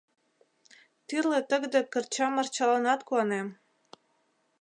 — Тӱрлӧ тыгыде кырча-марчаланат куанем.